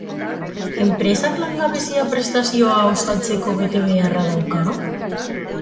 Enpresak langabezia-prestazioa osatzeko betebeharra dauka?